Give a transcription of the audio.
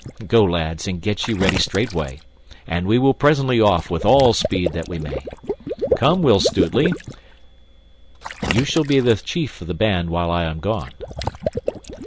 Go, lads, and get ye ready straightway, and we will presently off with all speed that we may. Thou, Will Stutely, shall be the chief of the band while I am gone."